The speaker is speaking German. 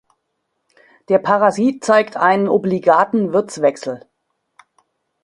Der Parasit zeigt einen obligaten Wirtswechsel.